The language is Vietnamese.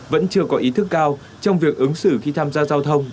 vẫn chưa có ý thức cao trong việc ứng xử khi tham gia giao thông